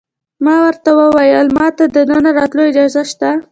ما ورته وویل: ما ته د دننه راتلو اجازه شته؟